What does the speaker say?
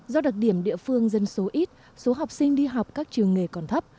do đặc điểm địa phương dân số ít số học sinh đi học các trường nghề còn thấp